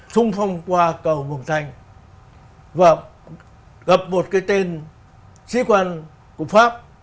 sung phong qua cầu mường thanh và gặp một cái tên sĩ quan của pháp